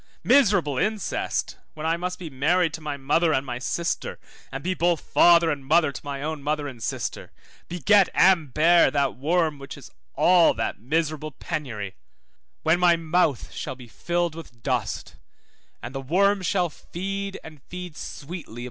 Miserable incest, when I must be married to my mother and my sister, and be both father and mother to my own mother and sister, beget and bear that worm which is all that miserable penury; when my mouth shall be filled with dust, and the worm shall feed, and feed sweetly 2222 Job 24:20.